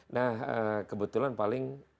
nah kebetulan paling